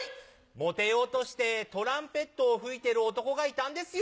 モテようとしてトランペットを吹いてる男がいたんですよ。